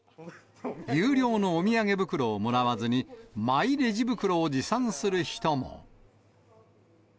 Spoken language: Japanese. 有料のお土産袋をもらわずに、マイレジ袋を持参する人も。